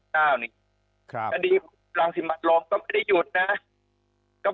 อย่างถึงลังสิบนัดโลมก็ไม่ได้หยุดนะครับ